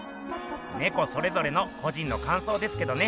ネコそれぞれの個人の感想ですけどね。